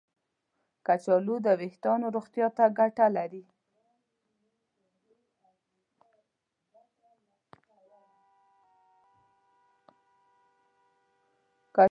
کچالو د ویښتانو روغتیا ته ګټه لري.